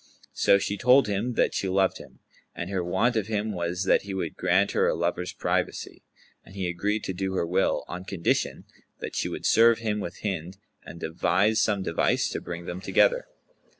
So she told him that she loved him, and her want of him was that he would grant her a lover's privacy; and he agreed to do her will, on condition that she would serve him with Hind and devise some device to bring them together.